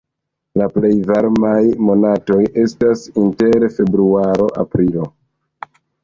La plej varmaj monatoj estas inter februaro-aprilo.